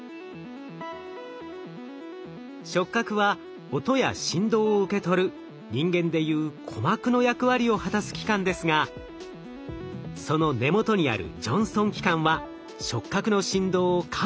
触角は音や振動を受け取る人間でいう鼓膜の役割を果たす器官ですがその根元にあるジョンストン器官は触角の振動を感知します。